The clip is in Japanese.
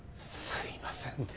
すいません。